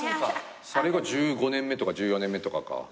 それが１５年目とか１４年目とかか。